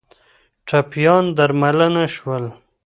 ټپیان درملنه شول